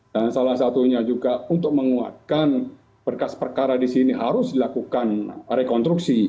dan salah satunya juga untuk menguatkan berkas perkara di sini harus dilakukan rekonstruksi